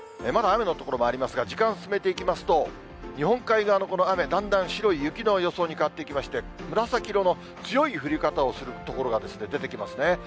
まだ雨の所もありますが、時間を進めていきますと、日本海側のこの雨、だんだん白い雪の予想に変わっていきまして、紫色の強い降り方をする所がですね、出てきますね。